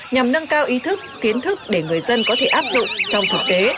nhằm nâng cao ý thức kiến thức để người dân có thể áp dụng trong thực tế